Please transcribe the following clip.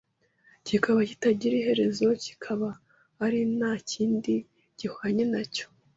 kikaba kitagira iherezo, kikaba ari nta kindi gihwanye nacyo